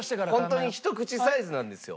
ホントにひと口サイズなんですよ。